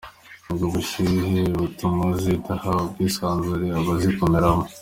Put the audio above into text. Ubwo bushyuhe butuma zidaha ubwisanzure abazikoreramo.